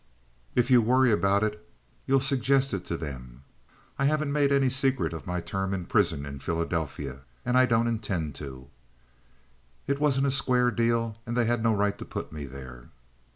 If you worry about it you'll suggest it to them. I haven't made any secret of my term in prison in Philadelphia, and I don't intend to. It wasn't a square deal, and they had no right to put me there."